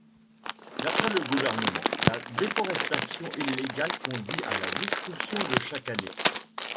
D'après le gouvernement, la déforestation illégale conduit à la destruction de chaque année.